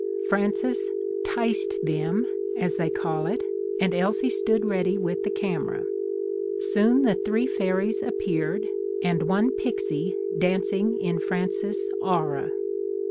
Frances ' 'ticed' them, as they call it, and Elsie stood ready with the camera. Soon the three fairies appeared, and one pixie danc ing in Frances' aura.